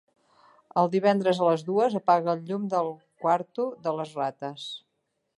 Els divendres a les dues apaga el llum del quarto de les rates.